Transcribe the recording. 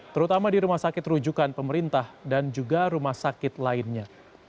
terutama di rumah sakit rujukan pemerintah dan juga rumah sakit lainnya